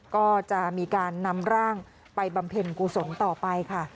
ก็จะมีการนำร่างไปบำเพ็ญกุศลต่อไปค่ะ